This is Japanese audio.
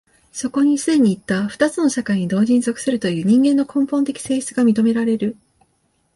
そこに既にいった二つの社会に同時に属するという人間の根本的性質が認められる。